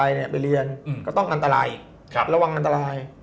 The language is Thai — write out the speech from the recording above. จะบร้อยเรียนก็ต้องกันตลาดอีกรับระวังตาราย